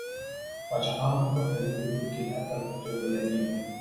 باچا خان په پښتني کلتور کې د اتل په توګه یادیږي.